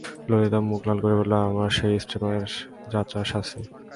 ললিতা মুখ লাল করিয়া বলিল, এ আমার সেই স্টীমার-যাত্রার শাস্তি!